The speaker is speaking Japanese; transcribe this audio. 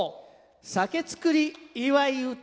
「酒造り祝い唄」。